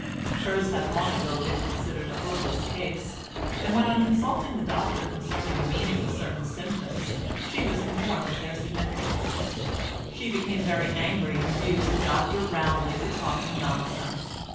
Hers had long ago been considered a hopeless case, and when on consulting the doctor concerning the meaning of certain symptoms she was informed of their significance, she became very angry and abused the doctor roundly for talking nonsense.